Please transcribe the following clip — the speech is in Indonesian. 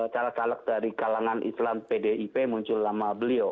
caleg caleg dari kalangan islam pdip muncul nama beliau